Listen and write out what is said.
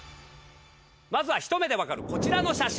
まずはひと目でわかるこちらの写真。